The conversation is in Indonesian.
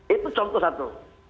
itu contoh satu